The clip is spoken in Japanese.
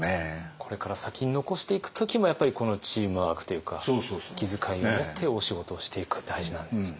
これから先に残していく時もやっぱりこのチームワークというか気づかいを持ってお仕事をしていくって大事なんですね。